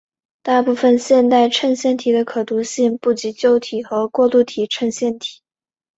大部分现代衬线体的可读性不及旧体和过渡体衬线体。